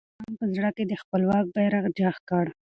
هغه د ایران په زړه کې د خپل واک بیرغ جګ کړ.